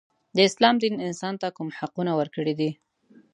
د اسلام دین انسان ته کوم حقونه ورکړي دي.